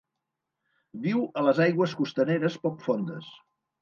Viu a les aigües costaneres poc fondes.